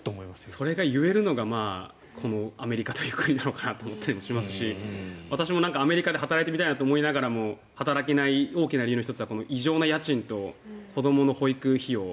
それが言えるのがアメリカという国なのかなと思ったりもしますし私もアメリカで働いてみたいなと思いながら働けない大きな理由の１つが異常な家賃と子どもの保育費用